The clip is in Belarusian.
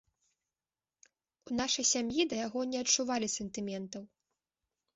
У нашай сям'і да яго не адчувалі сантыментаў.